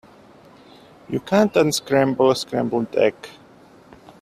You can't unscramble a scrambled egg.